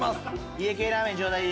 家系ラーメンちょうだい。